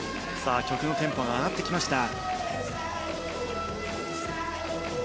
曲のテンポが上がってきました。